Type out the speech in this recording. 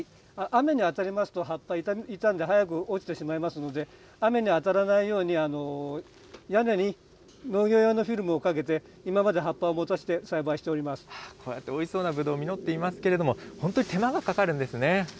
雨に当たりますと、葉っぱ、傷んで、早く落ちてしまいますので、雨に当たらないように屋根に農業用のフィルムをかけて、今まで葉っぱをもたして栽培してこうやって、おいしそうなぶどう、実っていますけれども、本当に手間がかかるんですね。